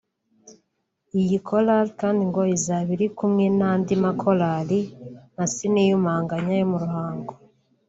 Iyi chorale kandi ngo izaba iri kumwe n’andi makorali nka Siniyumanganya yo mu Ruhango